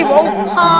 ibu aku mau